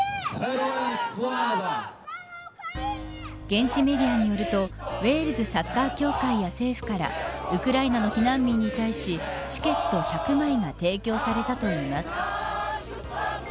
現地メディアによるとウェールズサッカー協会や政府からウクライナの避難民に対しチケット１００枚が提供されたといいます。